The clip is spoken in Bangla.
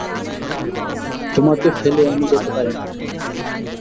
তোমাকে ফেলে আমি যেতে পারি না।